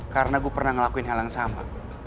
karena gue pernah ngelakuin hal yang sama